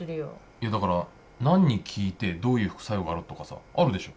いやだから何に効いてどういう副作用があるとかさあるでしょ？